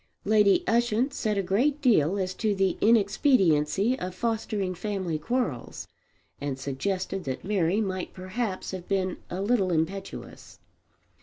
Lady Ushant said a great deal as to the inexpediency of fostering family quarrels, and suggested that Mary might perhaps have been a little impetuous.